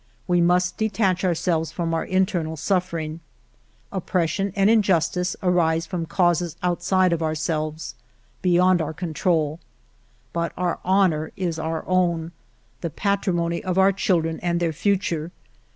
We must detach ourselves from our internal suffering. Oppression and injustice arise from causes outside of ourselves — beyond our control. But our honor is our own, the patri mony of our children and their future.